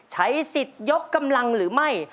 ใช้สิทธิ์ยกกำลังหรือไม่